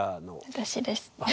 私です。